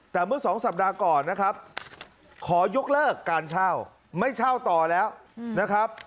แต่เมื่อสองสัปดาห์ก่อนนะครับขอยกเลิกการเช่าไม่เช่าต่อแล้วนะครับ